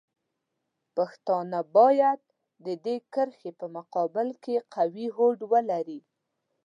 پښتانه باید د دې کرښې په مقابل کې قوي هوډ ولري.